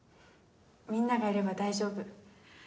みんながいれば大丈夫。